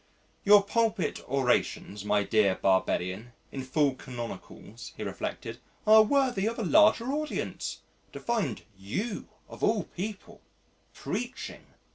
"Your pulpit orations, my dear Barbellion, in full canonicals," he reflected, "are worthy of a larger audience.... To find you of all people preaching.